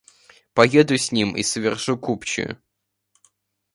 Поеду с ним и совершу купчую?